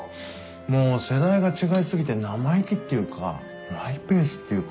もう世代が違い過ぎて生意気っていうかマイペースっていうか。